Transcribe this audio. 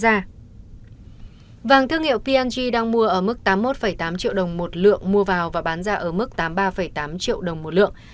giá thương hiệu png đang mua ở mức tám mươi một tám triệu đồng một lượng mua vào và bán ra ở mức tám mươi ba tám triệu đồng một lượng